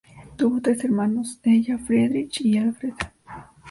Tuvo tres hermanos: Ella, Friedrich y Alfred.